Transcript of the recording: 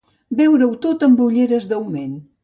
Veure-ho tot amb ulleres d'augment.